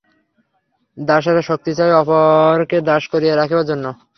দাসেরা শক্তি চায় অপরকে দাস করিয়া রাখিবার জন্য।